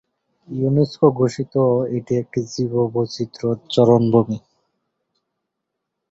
UNESCO ঘোষিত এটি একটি জীববৈচিত্র্য চারণভূমি।